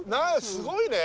すごいね。